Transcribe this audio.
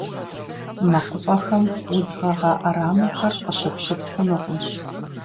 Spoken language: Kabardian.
МэкъупӀэхэм удз гъэгъа Ӏэрамэхэр къыщыпщып хъунукъым.